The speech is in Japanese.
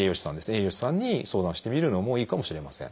栄養士さんに相談してみるのもいいかもしれません。